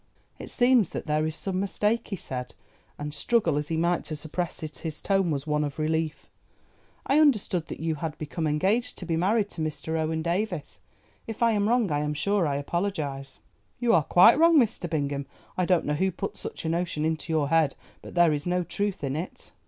"It seems that there is some mistake," he said, and struggle as he might to suppress it his tone was one of relief. "I understood that you had become engaged to be married to Mr. Owen Davies. If I am wrong I am sure I apologise." "You are quite wrong, Mr. Bingham; I don't know who put such a notion into your head, but there is no truth in it."